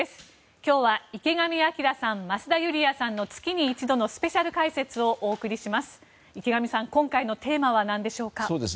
今日は池上彰さん増田ユリヤさんの月に１度のスペシャル解説をお送りいたします。